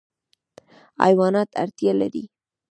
حیوانات اړتیا لري.